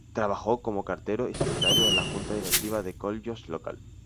Trabajó como cartero y secretario de la junta directiva del koljós local.